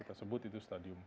kita sebut itu stadium empat